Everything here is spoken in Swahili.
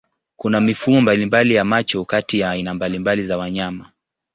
Kuna mifumo mbalimbali ya macho kati ya aina mbalimbali za wanyama.